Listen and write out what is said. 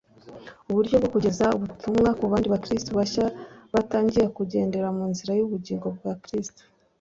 uburyo bwo kugeza Ubutumwa ku bandi bakristo bashya batangiye kugendera mu nzira y'ubugingo bwa gikristo